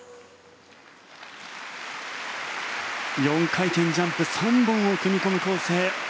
４回転ジャンプ３本を組み込む構成。